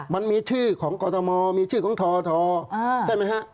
มันมีชื่อของกรทมมีชื่อของททใช่ไหมฮะ